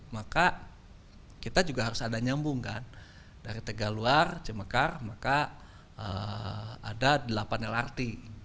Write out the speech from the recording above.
maka kita juga harus ada nyambung kan dari tegaluar cemekar maka ada delapan lrt